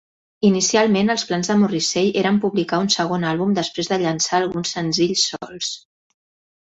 Inicialment, els plans de Morrissey eren publicar un segon àlbum després de llançar alguns senzills solts.